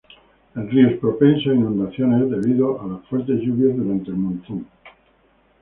El río es propenso a inundaciones debido a las fuertes lluvias durante el monzón.